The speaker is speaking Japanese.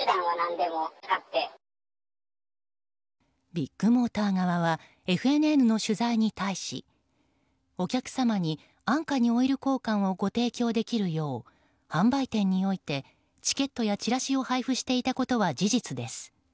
ビッグモーター側はＦＮＮの取材に対しお客様に、安価にオイル交換をご提供できるよう販売店においてチケットやチラシを配布していたことは事実です。